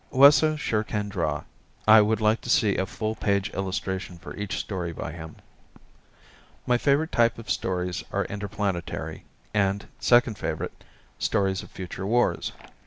Wesso sure can draw. I would like to see a full page illustration for each story by him. My favorite type of stories are interplanetary, and, second favorite, stories of future wars.